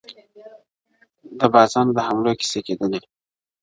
د بازانو د حملو کیسې کېدلې-